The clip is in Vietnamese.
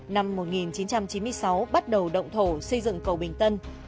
năm một nghìn chín trăm chín mươi sáu bắt đầu động thổ xây dựng cầu bình tân